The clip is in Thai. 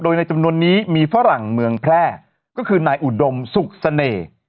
โดยในจำนวนนี้มีฝรั่งเมืองแพร่ก็คือนายอุดมสุขเสน่ห์